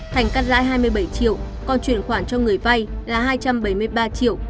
thành cắt lãi hai mươi bảy triệu còn chuyển khoản cho người vay là hai trăm bảy mươi ba triệu